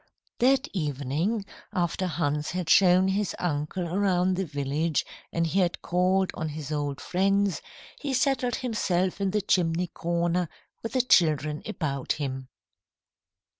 That evening, after Hans had shown his uncle around the village, and he had called on his old friends, he settled himself in the chimney corner with the children about him.